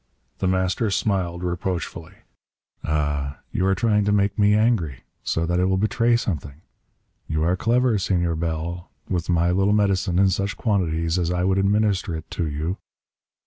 The Master smiled reproachfully. "Ah, you are trying to make me angry, so that I will betray something! You are clever, Senor Bell. With my little medicine, in such quantities as I would administer it to you...."